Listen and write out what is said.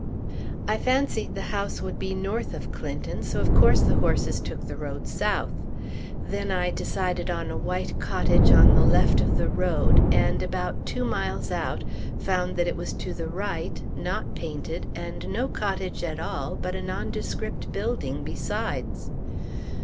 I fancied the house would be north of Clinton, so of course the horses took the road south. Then I decided on a white cottage to the left of the road, and about two miles out, found that it was to the right, not painted, and no cottage at all, but a nondescript building, besides.